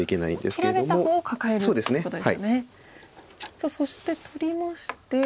さあそして取りまして。